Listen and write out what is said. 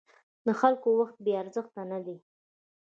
د خلکو وخت بې ارزښته نه دی.